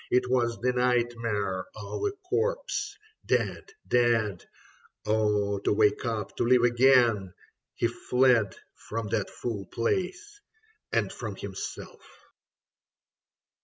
It was the nightmare of a corpse. Dead, dead ... Oh, to wake up, to live again ! he fled From that foul place and from himself.